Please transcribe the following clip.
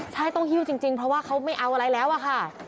ใช่ต้องหิ้วจริงเพราะว่าเขาไม่เอาอะไรแล้วอะค่ะ